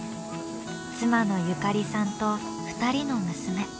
妻の友加里さんと２人の娘。